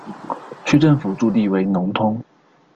区政府驻地为农通。